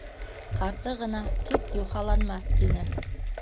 Ҡаты ғына: - Кит, юхаланма! -тине.